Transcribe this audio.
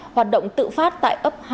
hoạt động tự phát tại ấp hai